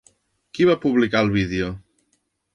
Qui va publicar el vídeo?